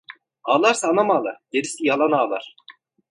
Ağlarsa anam ağlar, gerisi yalan ağlar.